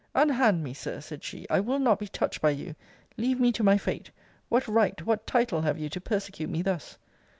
Unhand me, Sir, said she. I will not be touched by you. Leave me to my fate. What right, what title, have you to persecute me thus?